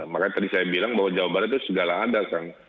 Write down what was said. makanya tadi saya bilang bahwa jawa barat itu segala ada kang